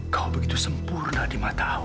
kau begitu sempurna di mata awak